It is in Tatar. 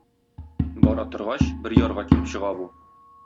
Бара торгач, бер ярга килеп чыга бу.